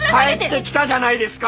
帰ってきたじゃないですか！